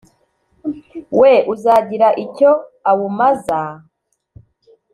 We uzagira icyo awumaza!